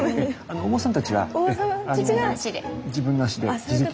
お坊さんたちは自分の足で自力で。